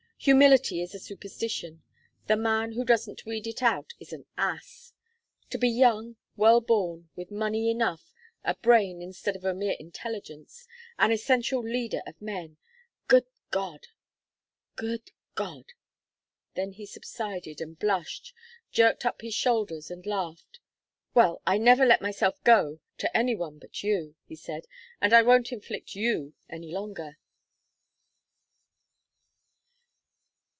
Humility is a superstition. The man who doesn't weed it out is an ass. To be young, well born, with money enough, a brain instead of a mere intelligence, an essential leader of men Good God! Good God!" Then he subsided and blushed, jerked up his shoulders and laughed. "Well I never let myself go to any one but you," he said. "And I won't inflict you any longer."